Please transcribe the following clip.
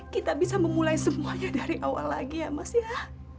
kita bisa memulai semuanya dari awal lagi ya mas ya